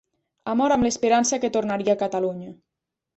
Ha mort amb l'esperança que tornaria a Catalunya.